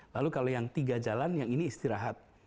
lalu kalau yang tiga jalan yang ini istirahat